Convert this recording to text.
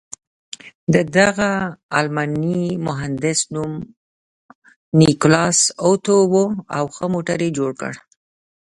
د دغه الماني مهندس نوم نیکلاس اتو و او ښه موټر یې جوړ کړ.